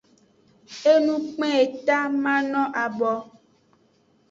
Enu kpen eta mano abo.